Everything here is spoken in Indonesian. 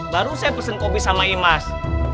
baru saya pesen kopi sama imas